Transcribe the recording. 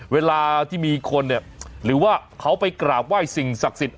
เวลาที่มีคนเนี่ยหรือว่าเขาไปกราบไหว้สิ่งศักดิ์สิทธิ